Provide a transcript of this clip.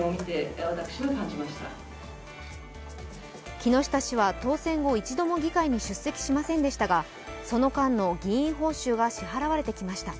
木下氏は当選後一度も議会に出席しませんでしたが、その間の議員報酬は支払われてきました。